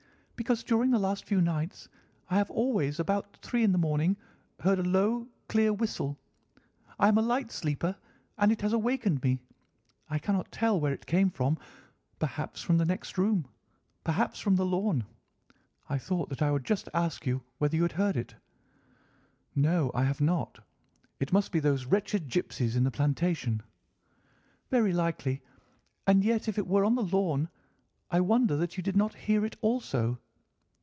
"'Because during the last few nights I have always, about three in the morning, heard a low, clear whistle. I am a light sleeper, and it has awakened me. I cannot tell where it came from—perhaps from the next room, perhaps from the lawn. I thought that I would just ask you whether you had heard it.' "'No, I have not. It must be those wretched gipsies in the plantation.' "'Very likely. And yet if it were on the lawn, I wonder that you did not hear it also.